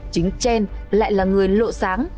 chính chen lại là người lộ sáng